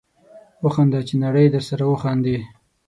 وخانده چې نړۍ درسره وخاندي